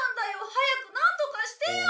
早くなんとかしてよ！